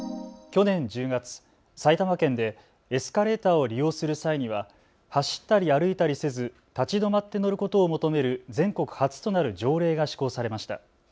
去年１０月、埼玉県でエスカレーターを利用する際には走ったり歩いたりせず立ち止まって乗ることを求める全国初となる条例が施行されました。